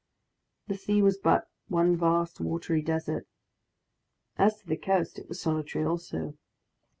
The sea was but one vast watery desert. As to the coast, it was solitary also.